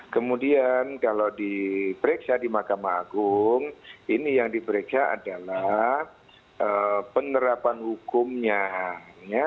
kemudian kalau diperiksa di mahkamah agung ini yang diperiksa adalah penerapan hukumnya